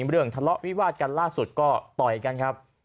เมื่อเรื่องทะเลาะวิวาสกันล่าสุดก็ต่อยกันครับ